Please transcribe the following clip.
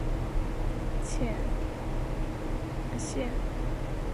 线纹原缨口鳅为平鳍鳅科原缨口鳅属的鱼类。